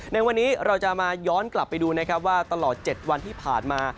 ในวันนี้เราจะมาย้อนกลับไปดูนะครับว่าตลอด๗วันที่ผ่านมา